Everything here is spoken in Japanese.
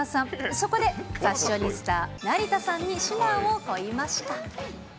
そこで、ファッショニスタ、成田さんに指南を請いました。